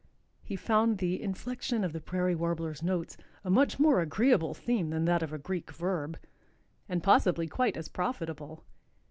He found the "inflection of the Prairie Warbler's notes a much more agreeable theme than that of a Greek verb," and possibly quite as profitable.